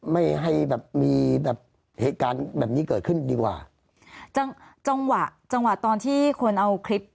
ไม่ให้แบบมีแบบเหตุการณ์แบบนี้เกิดขึ้นดีกว่าจังจังหวะจังหวะตอนที่คนเอาคลิป